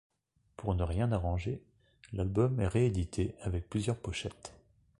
Pour ne rien arranger, l'album est réédité avec plusieurs pochettes.